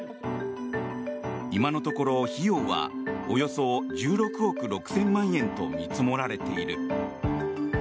今のところ費用はおよそ１６億６０００万円と見積もられている。